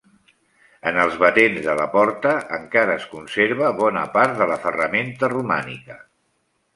En els batents de la porta encara es conserva bona part de la ferramenta romànica.